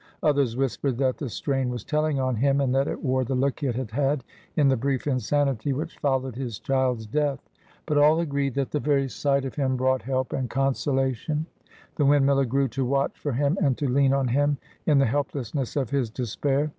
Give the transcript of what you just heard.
Others whispered that the strain was telling on him, and that it wore the look it had had in the brief insanity which followed his child's death. But all agreed that the very sight of him brought help and consolation. The windmiller grew to watch for him, and to lean on him in the helplessness of his despair.